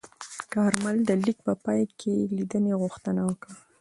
کارمل د لیک په پای کې لیدنې غوښتنه وکړه.